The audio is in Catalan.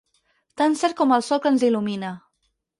Tan cert com el sol que ens il·lumina.